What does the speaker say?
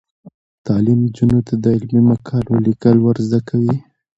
تعلیم نجونو ته د علمي مقالو لیکل ور زده کوي.